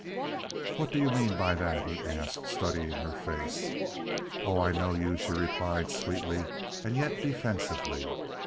"What do you mean by that?" he asked, studying her face. "Oh, I know you," she replied, sweetly and yet defensively.